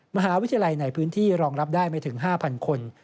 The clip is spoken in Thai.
มหาวิทยาลัยในพื้นที่รองรับได้ไม่ถึง๕๐๐คน